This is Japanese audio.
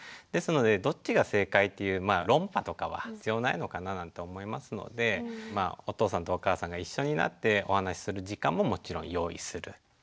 ですのでどっちが正解っていうまあ論破とかは必要ないのかななんて思いますのでお父さんとお母さんが一緒になってお話しする時間ももちろん用意する。